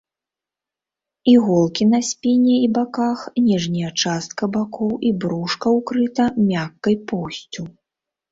Іголкі на спіне і баках, ніжняя частка бакоў і брушка ўкрыта мяккай поўсцю.